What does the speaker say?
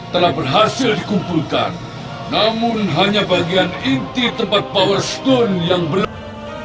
telah berhasil dikumpulkan namun hanya bagian inti tempat power stone yang belum